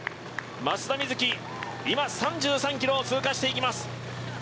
松田瑞生、今、３３ｋｍを通過していきます。